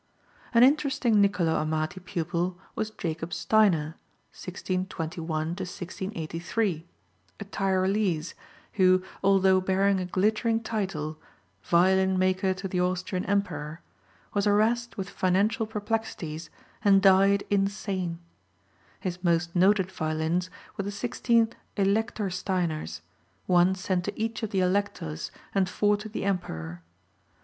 An interesting Nicolo Amati pupil was Jacob Steiner (1621 1683), a Tyrolese, who, although bearing a glittering title, "violin maker to the Austrian Emperor," was harassed with financial perplexities and died insane. His most noted violins were the sixteen "Elector Steiners," one sent to each of the Electors and four to the Emperor.